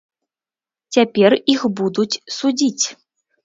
Цяпер іх будуць судзіць.